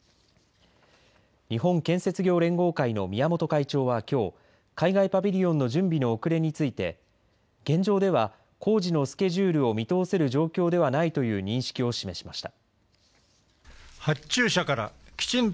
日本建設業連合会の宮本会長はきょう海外パビリオンの準備の遅れについて、現状では工事のスケジュールを見通せる状況ではないという認識を示しました。